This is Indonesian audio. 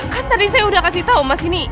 kan tadi saya udah kasih tau mas ini